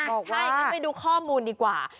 ใช่งั้นไปดูข้อมูลดีกว่า